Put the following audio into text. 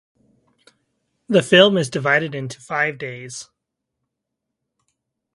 The film is divided into five days.